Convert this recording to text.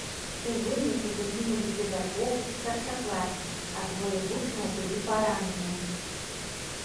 У выніку загінулі педагог і старшакласнік, а двое вучняў былі параненыя.